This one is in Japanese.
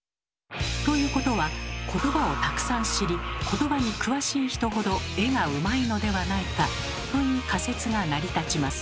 ということはことばをたくさん知りことばに詳しい人ほど絵がうまいのではないかという仮説が成り立ちます。